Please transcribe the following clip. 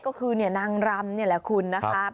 ก็คือเนี่ยนางรำเนี่ยแหละคุณนะคะ